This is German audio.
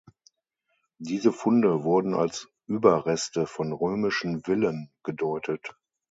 Diese Funde wurden als Überreste von römischen Villen gedeutet.